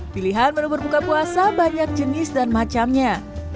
pilihan menu berbuka puasa banyak jenis dan macamnya